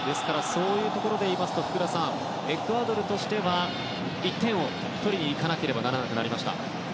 そういうところでいいますと福田さん、エクアドルとしては１点を取りにいかなければならなくなりました。